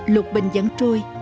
lục bình vẫn trôi